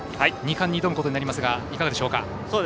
２冠に挑むことになりますがいかがでしょうか。